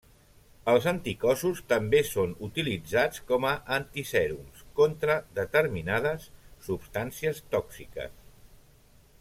Els anticossos també són utilitzats com a antisèrums contra determinades substàncies tòxiques.